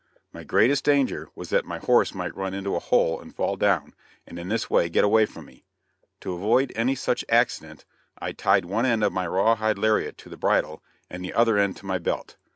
My greatest danger was that my horse might run into a hole and fall down, and in this way get away from me. To avoid any such accident, I tied one end of my rawhide lariat to the bridle and the other end to my belt.